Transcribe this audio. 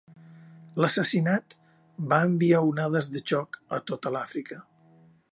L'assassinat va enviar onades de xoc a tota l'Àfrica.